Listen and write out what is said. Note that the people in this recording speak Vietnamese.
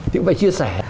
thì cũng phải chia sẻ